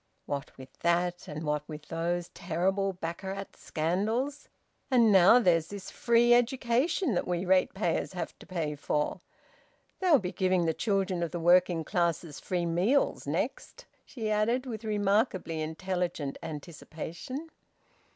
"What with that! And what with those terrible baccarat scandals. And now there's this free education, that we ratepayers have to pay for. They'll be giving the children of the working classes free meals next!" she added, with remarkably intelligent anticipation.